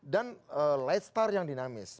dan light star yang dinamis